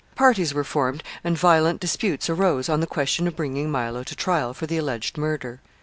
Parties were formed, and violent disputes arose on the question of bringing Milo to trial for the alleged murder.